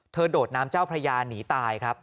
โดดน้ำเจ้าพระยาหนีตายครับ